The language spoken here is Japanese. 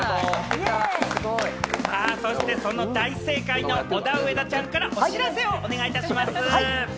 そして、その大正解のオダウエダちゃんからお知らせをお願いいたします。